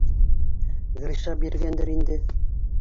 — Гриша биргәндер инде.